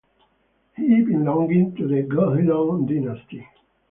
He belonged to the Guhilot dynasty.